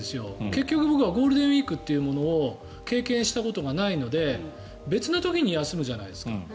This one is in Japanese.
結局僕はゴールデンウィークというものを経験したことがないので別の時に休むじゃないですか。